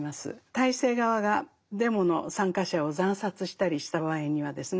体制側がデモの参加者を惨殺したりした場合にはですね